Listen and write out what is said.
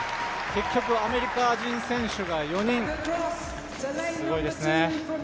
結局、アメリカ人選手が４人すごいですね。